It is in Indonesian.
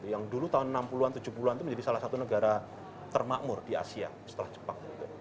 yang dulu tahun enam puluh an tujuh puluh an itu menjadi salah satu negara termakmur di asia setelah jepang